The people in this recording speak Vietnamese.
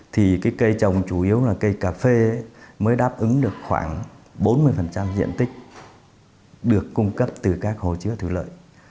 thì cái cây trồng chủ yếu là cây cà phê mới đáp ứng được khoảng bốn mươi diện tích được cung cấp từ các hồ chứa thủy lợi